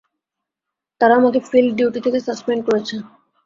তারা আমাকে field duty থেকে সাসপেন্ড করেছে।